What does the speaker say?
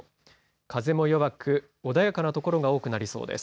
風も弱く穏やかな所が多くなります。